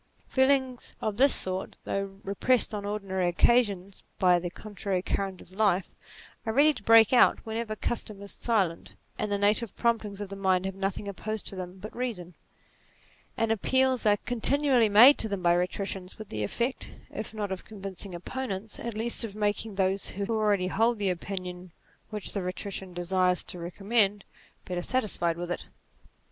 Feelings of this sort, though repressed on ordinary occasions by the contrary current of life, are ready to break out whenever custom is silent, and the native promptings of the mind have nothing opposed to them but reason: and appeals are continually made to them by rhetoricians, with the effect, if not of convincing opponents, at least of making those who already hold the opinion which the rhetorician desires to re commend, better satisfied with it.